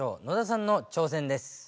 野田さんの挑戦です。